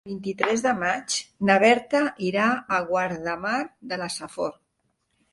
El vint-i-tres de maig na Berta irà a Guardamar de la Safor.